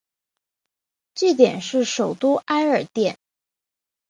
据点是首都艾尔甸。